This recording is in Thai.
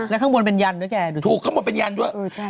แล้วข้างบนเป็นยันด์ด้วยแกถูกข้างบนเป็นยันด์ด้วยเออใช่ใช่